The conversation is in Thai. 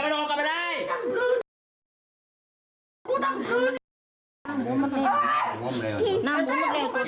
นางบวมมักเร็ว